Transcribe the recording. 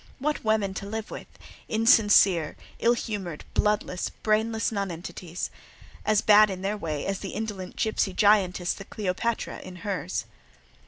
What women to live with! insincere, ill humoured, bloodless, brainless nonentities! As bad in their way as the indolent gipsy giantess, the Cleopatra, in hers.